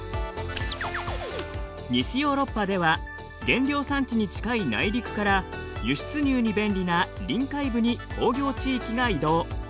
西ヨーロッパでは原料産地に近い内陸から輸出入に便利な臨海部に工業地域が移動。